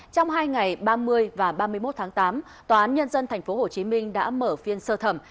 trong hai ngày ba mươi và ba mươi một tháng tám tòa án nhân dân tp hcm đã mở phiên sơ thẩm